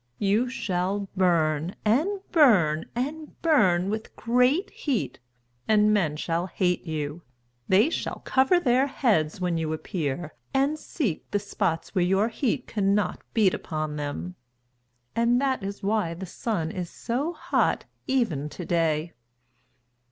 You shall burn, and burn, and burn with great heat, and men shall hate you. They shall cover their heads when you appear and seek the spots where your heat cannot beat upon them." And that is why the Sun is so hot even to day.